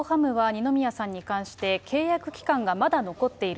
まず伊藤ハムは、二宮さんに関して、契約期間がまだ残っている。